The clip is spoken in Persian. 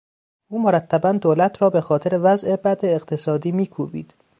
او مرتبا دولت را به خاطر وضع بد اقتصادی میکوبید.